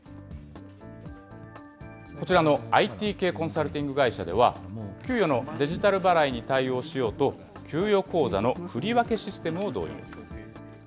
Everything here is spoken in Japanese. こちらのＩＴ系コンサルティング会社では、給与のデジタル払いに対応しようと、給与口座の振り分けシステムを導入。